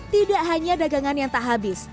tidak hanya dagangan yang tak habis